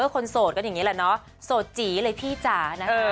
คนโสดกันอย่างนี้แหละเนาะโสดจีเลยพี่จ๋านะคะ